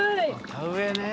田植えね。